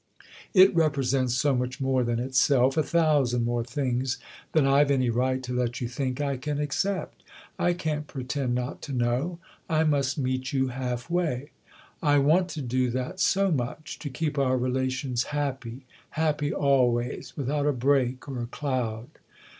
It represents so much more than itself a thousand more things than I've any right to let you think I can accept. I can't pretend not to know I must meet you half way. I want to do that so much to keep our relations happy, happy always, without a break or a cloud.